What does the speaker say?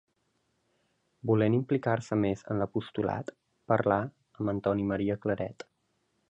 Volent implicar-se més en l'apostolat, parlà amb Antoni Maria Claret.